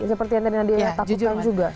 seperti yang tadi nadia takutkan juga